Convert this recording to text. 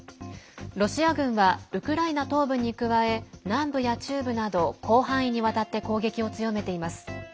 ロシア軍はウクライナ東部に加え南部や中部など広範囲にわたって攻撃を強めています。